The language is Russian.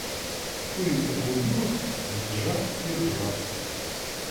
Улица клубилась, визжа и ржа.